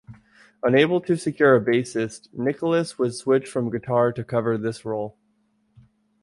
Unable to secure a bassist Nicolas would switch from guitar to cover this role.